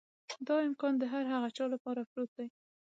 دا امکان د هر هغه چا لپاره پروت دی.